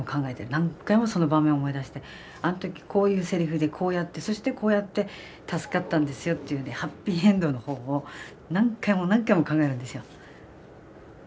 何回もその場面を思い出してあの時こういうセリフでこうやってそしてこうやって助かったんですよっていうのでハッピーエンドの方法を何回も何回も考えるんですよ。